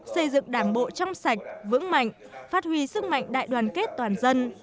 xây dựng đảng bộ trong sạch vững mạnh phát huy sức mạnh đại đoàn kết toàn dân